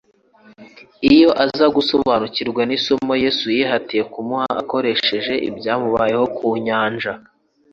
Iyo aza gusobanukirwa n'isomo Yesu yihatiye kumuha akoresheje ibyamubayeho ku nyanja,